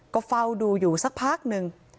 ก็เฝ้าดูอยู่สักพักหนึ่ง